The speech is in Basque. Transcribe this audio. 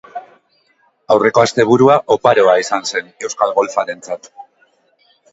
Aurreko asteburua oparoa izan zen euskal golfarentzat.